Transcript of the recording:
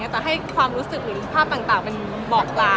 ก็ให้ความรู้สึกคือภาพต่าง